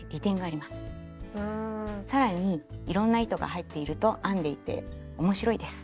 更にいろんな糸が入っていると編んでいて面白いです。